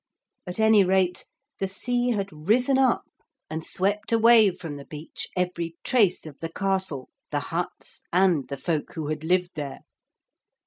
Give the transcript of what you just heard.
At any rate the sea had risen up and swept away from the beach every trace of the castle, the huts and the folk who had lived there.